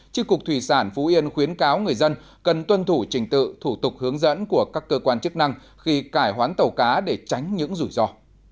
chứ cục thủy sản phú yên khuyến cáo người dân cần tuân thủ trình tự thủ tục hướng dẫn của các cơ quan chức năng khi cải hoán tàu cá để tránh những rủi ro